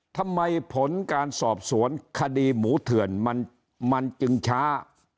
ทำไมผลการสอบสวนคดีหมูเถื่อนมันจึงช้า